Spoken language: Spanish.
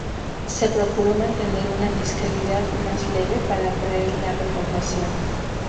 Se procuró mantener una fiscalidad más leve para atraer la repoblación.